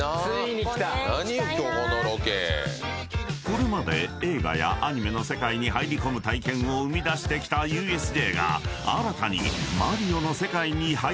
［これまで映画やアニメの世界に入り込む体験を生み出してきたＵＳＪが新たに］